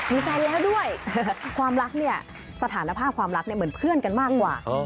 มีแฟนแล้วด้วยความรักเนี่ยสถานภาพความรักเนี่ยเหมือนเพื่อนกันมากกว่า